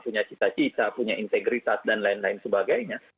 punya cita cita punya integritas dan lain lain sebagainya